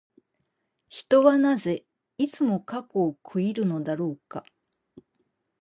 人はなぜ、いつも過去を悔いるのだろうか。